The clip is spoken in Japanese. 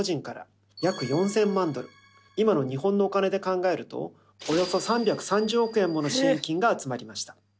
今の日本のお金で考えるとおよそ３３０億円もの支援金が集まりました。